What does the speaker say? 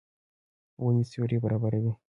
ونې سیوری برابروي.